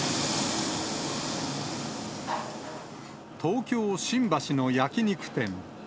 東京・新橋の焼き肉店。